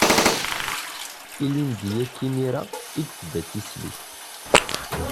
Ilindi akka imira i d-tedda d tislit.